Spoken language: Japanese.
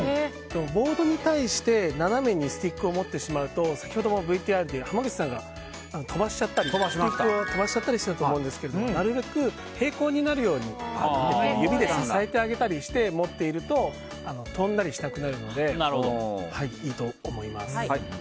ボードに対して斜めにスティックを持ってしまうと先ほどもＶＴＲで濱口さんがスティックを飛ばしちゃったりしていたと思いますがなるべく平行になるように指で支えてあげたりして持っていると飛んだりしなくなるのでいいと思います。